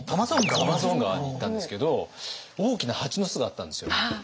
アマゾン川に行ったんですけど大きな蜂の巣があったんですよ。